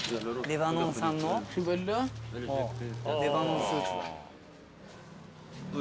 レバノンスーツだ。